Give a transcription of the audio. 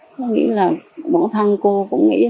vẫn hơi buồn với nhiều biết